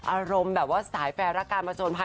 อารมณ์แบบว่าสายแฟร์รักการประสงค์ภัย